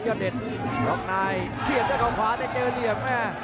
ยอดเดชน์ล๊อคนายขวางกล่าวเจอเด็กเลยครับ